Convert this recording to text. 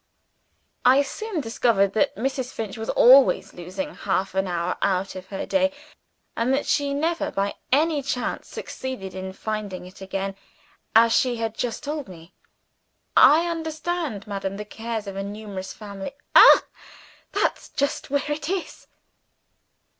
(I soon discovered that Mrs. Finch was always losing half an hour out of her day, and that she never, by any chance, succeeded in ending it again, as she had just told me.) "I understand, madam. The cares of a numerous family " "Ah! that's just where it is."